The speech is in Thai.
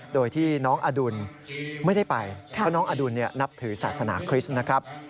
โดยที่น้องอดุลไม่ได้ไปเพราะน้องอดุลนับถือศาสนาคริสต์นะครับ